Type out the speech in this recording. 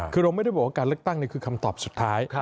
คือเราไม่ได้บอกว่าการเลือกตั้งคือคำตอบสุดท้าย